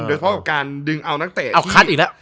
โดยเฉพาะการดึงเอานักเตะ